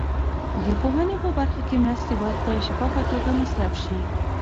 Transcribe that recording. د پوهنې په برخه کې مرستې باید په شفافه توګه مصرف شي.